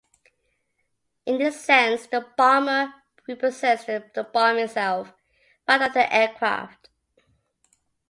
In this sense, the bomber represents the bomb itself, rather than an aircraft.